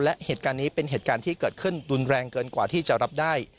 และเหตุการณ์นี้เป็นเหตุการณ์ที่เกิดขึ้นรุนแรงเกินกว่าที่จะรับได้